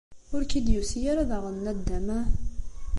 Ur k-id-yusi ara daɣen naddam, ah?